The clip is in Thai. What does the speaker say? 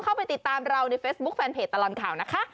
เข้าไปติดตามเราในเฟซบุ๊คแฟนเพจตลอดข่าวนะคะ